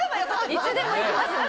いつでも行きますんで。